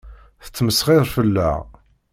Tettmesxiṛ fell-aɣ.